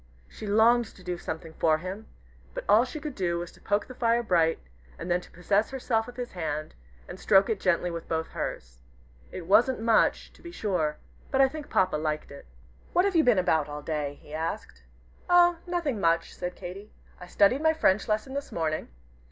She longed to do something for him, but all she could do was to poke the fire bright, and then to possess herself of his hand, and stroke it gently with both hers. It wasn't much, to be sure, but I think Papa liked it. "What have you been about all day?" he asked. "Oh, nothing, much," said Katy. "I studied my French lesson this morning.